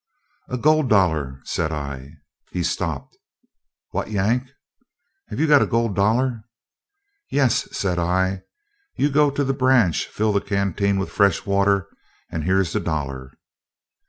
"A gold dollar," said I. He stopped: "What, Yank! Have you got a gold dollar?" "Yes," said I, "you go to the branch, fill the canteen with fresh water, and here's the dollar."